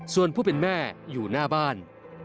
ส่วนผู้เป็นแม่อยู่หน้าบ้าน